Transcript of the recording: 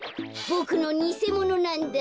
ボクのにせものなんだ。